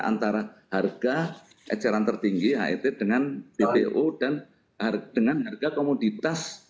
antara harga eceran tertinggi het dengan dpo dan dengan harga komoditas